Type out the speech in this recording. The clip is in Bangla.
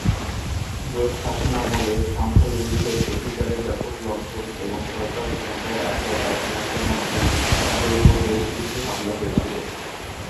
জোট শাসনামলে সংখ্যালঘুদের অধিকারের ব্যাপক লঙ্ঘন এবং সরকার ক্ষমতায় আসার এক মাসের মধ্যেই তাদের উপর বেশকিছু হামলা হয়েছিল।